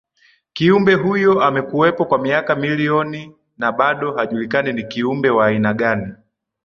Kiumbe huyo amekuwepo kwa miaka milioni na bado hajulikani ni kiumbe wa aina gani